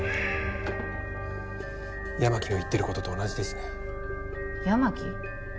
八巻の言ってることと同じですね八巻？